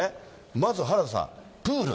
まず原田さん、プール。